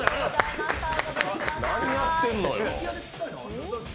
何やってんのよ。